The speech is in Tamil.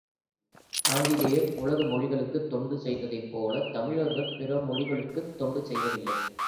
ஆங்கிலேயர் உலக மொழிகளுக்குத் தொண்டு செய்ததைப் போலத் தமிழர்கள் பிறமொழிகளுக்குத் தொண்டு செய்வதில்லை!